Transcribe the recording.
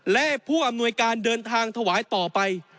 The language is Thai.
และผู้อำนวยการเดินทางถวายต่อไป